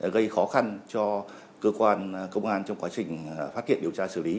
gây khó khăn cho cơ quan công an trong quá trình phát hiện điều tra xử lý